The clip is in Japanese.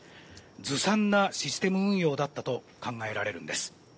ずさんなシステム運用だったと考えられるんです。